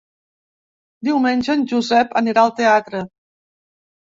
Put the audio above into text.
Diumenge en Josep anirà al teatre.